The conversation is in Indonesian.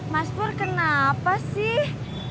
mas pur kenapa sih